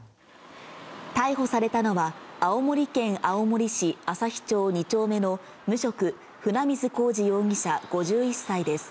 逮捕されたのは、青森県青森市旭町２丁目の無職、船水公慈容疑者５１歳です。